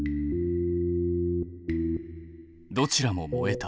どちらも燃えた。